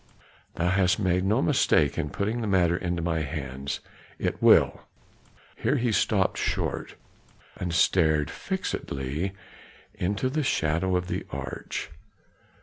"Thou hast made no mistake in putting the matter into my hands, it will " here he stopped short and stared fixedly into the shadow of the arch.